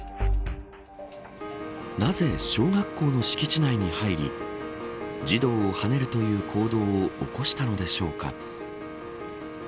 なぜ小学校の敷地内に入り児童をはねるという行動を起こしたのでしょうか。